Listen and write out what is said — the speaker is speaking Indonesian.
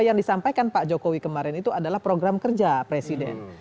yang disampaikan pak jokowi kemarin itu adalah program kerja presiden